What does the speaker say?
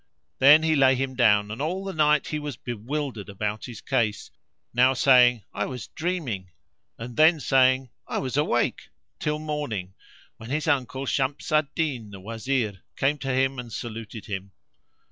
Then he lay him down and all the night he was bewildered about his case, now saying, "I was dreaming!" and then saying, "I was awake!", till morning, when his uncle Shams al Din, the Wazir, came to him and saluted him.